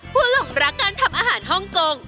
หลงรักการทำอาหารฮ่องกง